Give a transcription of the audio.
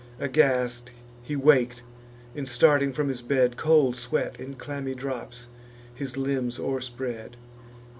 Aghast he wak'd; and, starting from his bed, Cold sweat, in clammy drops, his limbs o'erspread.